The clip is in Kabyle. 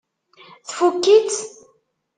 Tfukk-itt?